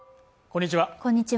こんにちは